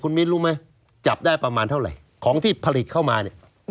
มิ้นรู้ไหมจับได้ประมาณเท่าไหร่ของที่ผลิตเข้ามาเนี่ย